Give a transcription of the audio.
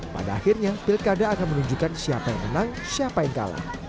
pada akhirnya pilkada akan menunjukkan siapa yang menang siapa yang kalah